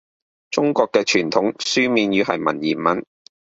中國嘅傳統書面語係文言文